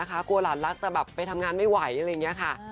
กลัวหลานลักษณ์จะไปทำงานไม่ไหวกัน